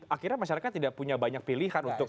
akhirnya masyarakat tidak punya banyak pilihan untuk